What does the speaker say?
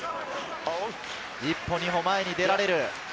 １歩、２歩、前に出られる。